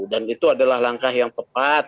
dan itu adalah langkah yang tepat